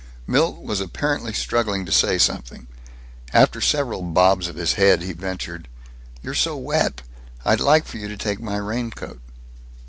Milt was apparently struggling to say something. After several bobs of his head he ventured, "You're so wet! I'd like for you to take my raincoat."